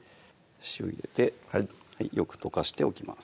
塩入れてよく溶かしておきます